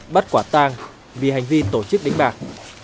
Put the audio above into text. bắt quả tang vì hành vi tổ chức đánh bạc